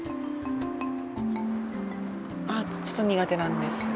ちょっと苦手なんです。